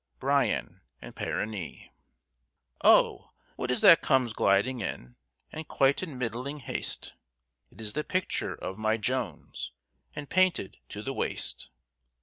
BRYAN AND PERENNE. "Oh! what is that comes gliding in, And quite in middling haste? It is the picture of my Jones, And painted to the waist.